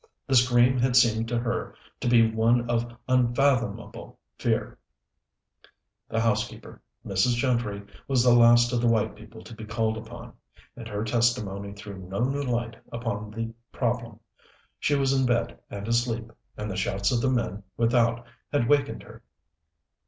The scream had seemed to her to be one of unfathomable fear. The housekeeper, Mrs. Gentry, was the last of the white people to be called upon; and her testimony threw no new light upon the problem. She was in bed and asleep, and the shouts of the men without had wakened her.